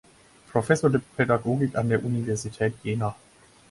Professor der Pädagogik an der Universität Jena.